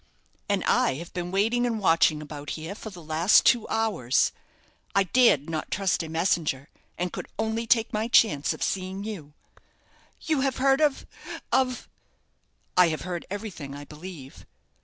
"And I have been waiting and watching about here for the last two hours. I dared not trust a messenger, and could only take my chance of seeing you." "You have heard of of " "I have heard everything, I believe."